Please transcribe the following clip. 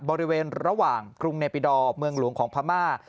บริเวณระหว่างกรุงเนปิดอร์เมืองหลวงของพม่า